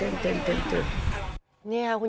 เนี่ยคุณย่าก็พยายามคุย